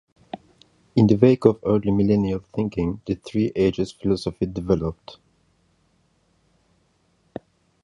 In the wake of early millennial thinking, the Three Ages philosophy developed.